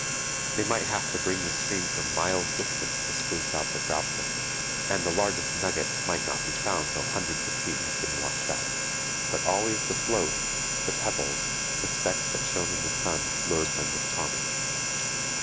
They might have to bring the stream from miles distant to sluice out the gravel; and the largest nuggets might not be found till hundreds of feet had been washed out; but always the 'float,' the pebbles, the specks that shone in the sun, lured them with promise.